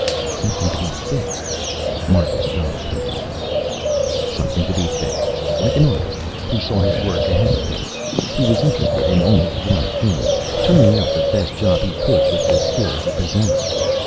"Something to be fixed," Margaret Duffe put in. "Something to be fixed. Like an artist, he saw his work ahead of him. He was interested in only one thing: turning out the best job he could, with the skill he possessed.